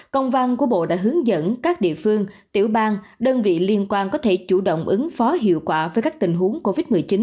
công văn của bộ đã hướng dẫn các địa phương tiểu bang đơn vị liên quan có thể chủ động ứng phó hiệu quả với các tình huống covid một mươi chín